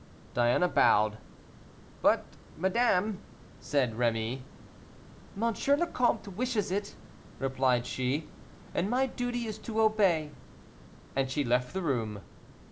Diana bowed. "But, madame " said Rémy. "M. le Comte wishes it," replied she, "and my duty is to obey." And she left the room.